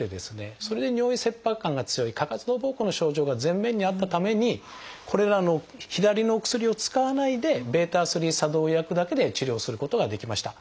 それで尿意切迫感が強い過活動ぼうこうの症状が前面にあったためにこれらの左のお薬を使わないでβ作動薬だけで治療することができました。